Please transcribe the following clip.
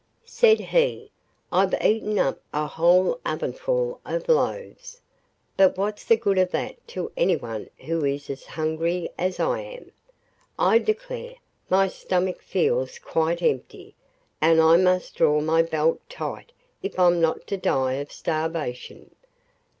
Said he: 'I've eaten up a whole oven full of loaves, but what's the good of that to anyone who is as hungry as I am? I declare my stomach feels quite empty, and I must draw my belt tight if I'm not to die of starvation.